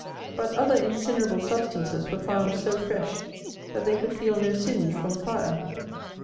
But other incinerable substances were found so fresh, that they could feel no singe from fire.